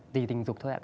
tùy tình dục thôi